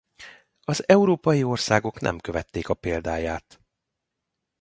Az európai országok nem követték a példáját.